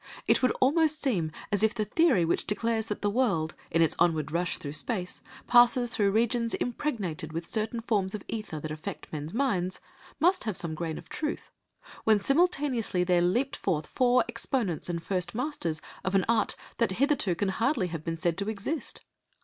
It would almost seem as if the theory which declares that the world, in its onward rush through space, passes through regions impregnated with certain forms of ether that affect men's minds, must have some grain of truth, when simultaneously there leaped forth four exponents and first masters of an art that hitherto can hardly have been said to exist.